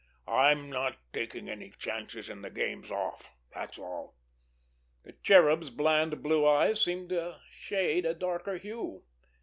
I'm not taking any chances, and the game's off—that's all." The Cherub's bland, blue eyes seemed to shade a darker hue.